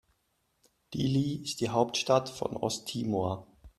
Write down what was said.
Dili ist die Hauptstadt von Osttimor.